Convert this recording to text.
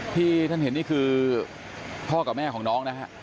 ที่ท่านเห็นนี่คือพ่อกับแม่ของน้องนะฮะ